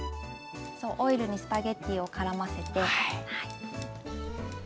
そうオイルにスパゲッティをからませて。